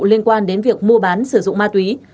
liên quan đến việc mua bán sử dụng ma túy